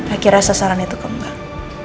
akhirnya sasaran itu kembang